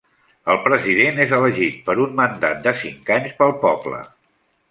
El president és elegit per un mandat de cinc anys pel poble.